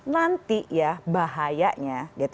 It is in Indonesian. nanti ya bahayanya